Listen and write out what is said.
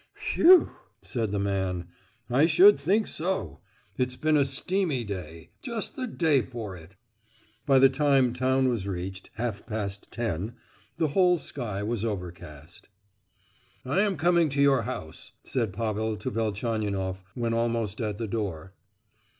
"Wheugh!" said the man, "I should think so! It's been a steamy day—just the day for it!" By the time town was reached—half past ten—the whole sky was overcast. "I am coming to your house," said Pavel to Velchaninoff, when almost at the door.